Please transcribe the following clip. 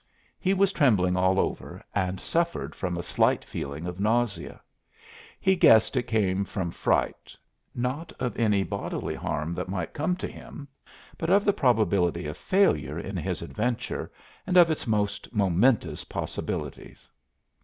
He was trembling all over, and suffered from a slight feeling of nausea. He guessed it came from fright, not of any bodily harm that might come to him, but of the probability of failure in his adventure and of its most momentous possibilities.